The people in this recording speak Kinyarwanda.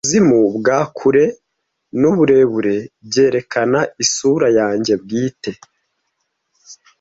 Ubujyakuzimu bwa kure n'uburebure byerekana isura yanjye bwite,